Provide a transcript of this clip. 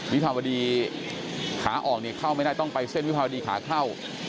วิภาวดีขาออกเนี่ยเข้าไม่ได้ต้องไปเส้นวิภาวดีขาเข้า